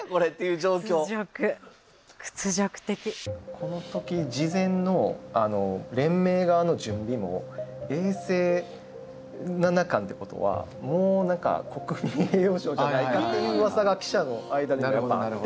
この時事前の連盟側の準備も永世七冠ってことはもう何か国民栄誉賞じゃないかっていううわさが記者の間でやっぱあって。